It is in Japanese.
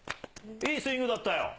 いいスイングだったよ。